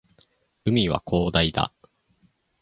海は広大だ